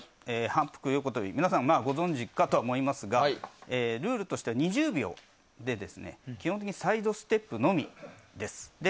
反復横跳び皆さん、ご存じかとは思いますがルールとして２０秒で基本的にサイドステップのみです。